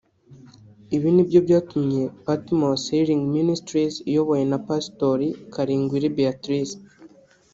Ibi ni byo byatumye Pathmos Healing Ministries iyobowe na Pasitori Kaligwire Beatrice